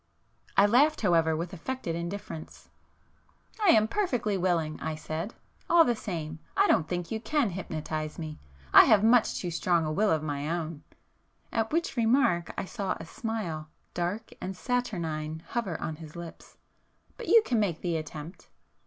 I laughed however, with affected indifference. "I am perfectly willing!" I said—"All the same, I don't think you can hypnotize me,—I have much too strong a will of my own——" at which remark I saw a smile, dark and saturnine, hover on his lips—"But you can make the attempt."